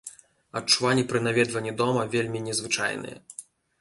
Адчуванні пры наведванні дома вельмі незвычайныя.